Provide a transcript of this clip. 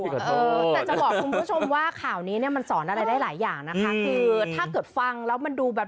แต่จะบอกคุณผู้ชมว่าข่าวนี้เนี่ยมันสอนอะไรได้หลายอย่างนะคะคือถ้าเกิดฟังแล้วมันดูแบบ